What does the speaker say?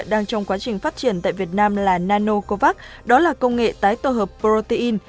đang trong quá trình phát triển tại việt nam là nanocovax đó là công nghệ tái tổ hợp protein